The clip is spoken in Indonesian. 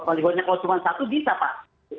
kalau cuma satu bisa pak